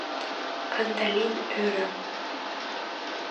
— Кандалин ӧрӧ.